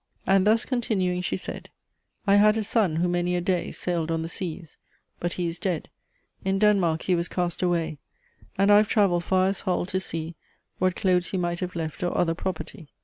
And, thus continuing, she said, "I had a Son, who many a day Sailed on the seas; but he is dead; In Denmark he was cast away; And I have travelled far as Hull to see What clothes he might have left, or other property.